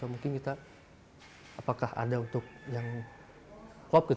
mungkin kita apakah ada untuk yang co op gitu